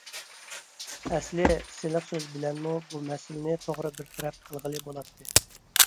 ئەسلى سىلىق سۆز بىلەنمۇ بۇ مەسىلىنى توغرا بىر تەرەپ قىلغىلى بولاتتى.